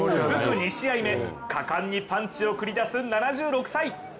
２試合目果敢にパンチを繰り出す７６歳。